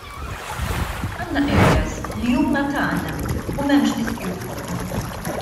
Għandna areas li huma tagħna u m'hemmx dispute fuqhom!